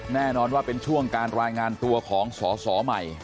แน่นอนว่าเป็นช่วงการรายงานตัวของสอสอใหม่